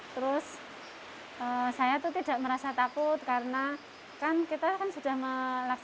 terus saya itu tidak merasa takut karena kan kita kan sudah melaksanakan